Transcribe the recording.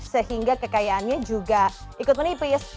sehingga kekayaannya juga ikut menipis